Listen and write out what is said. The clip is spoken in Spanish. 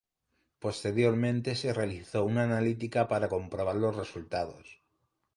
Posteriormente se realizó una analítica para comprobar los resultados.